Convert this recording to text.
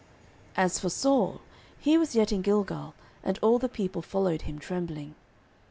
As for Saul, he was yet in Gilgal, and all the people followed him trembling.